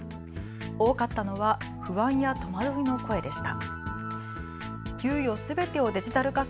多かったのは不安や戸惑いの声でした。